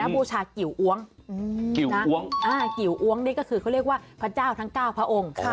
บูชากิวอ้วงกิวอ้วงนี่ก็คือเขาเรียกว่าพระเจ้าทั้ง๙พระองค์